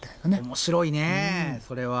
面白いねそれは。